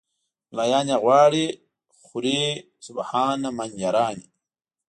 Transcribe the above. "ملایان یې غواړي خوري سبحان من یرانی".